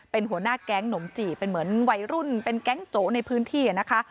เป็นหัวหน้าแก๊งหนมจีบเป็นเหมือนวัยรุ่นเป็นแก๊งโจในพื้นที่นะคะ